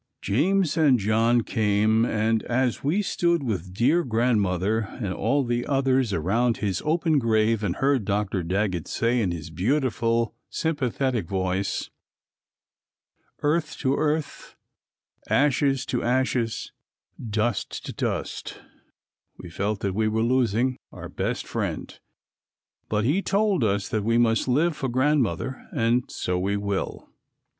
James and John came and as we stood with dear Grandmother and all the others around his open grave and heard Dr. Daggett say in his beautiful sympathetic voice, "Earth to earth, ashes to ashes, dust to dust," we felt that we were losing our best friend; but he told us that we must live for Grandmother and so we will.